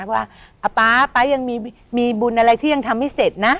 ว่าป๊าป๊าป๊ายังมีบุญอะไรที่ยังทำไม่เสร็จนะ